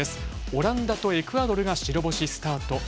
オランダとエクアドルが白星スタート。